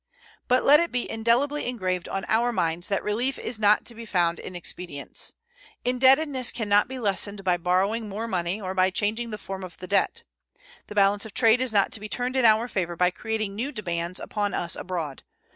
But let it be indelibly engraved on our minds that relief is not to be found in expedients. Indebtedness can not be lessened by borrowing more money or by changing the form of the debt. The balance of trade is not to be turned in our favor by creating new demands upon us abroad.